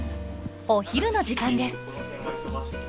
お昼の時間です。